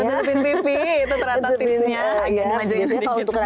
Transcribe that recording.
buat nutupin pipi itu ternyata tipsnya